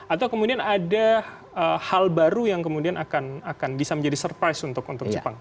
atau kemudian ada hal baru yang kemudian akan bisa menjadi surprise untuk jepang